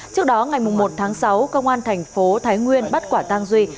trước đó ngày một tháng sáu công an thành phố thái nguyên bắt quả tang duy